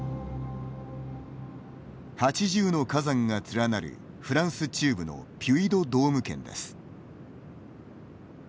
８０の火山が連なるフランス中部のピュイ・ド・ドーム県です。